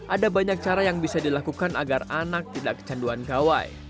ada banyak cara yang bisa dilakukan agar anak tidak kecanduan gawai